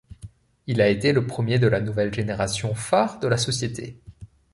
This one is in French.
Il a été le premier de la nouvelle génération phare de la société.